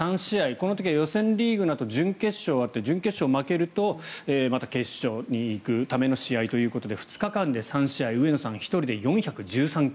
この時は予選リーグのあと準決勝があって準決勝負けるとまた決勝に行くための試合ということで２日間で３試合上野さん１人で４１３球。